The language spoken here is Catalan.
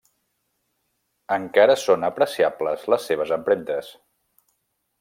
Encara són apreciables les seves empremtes.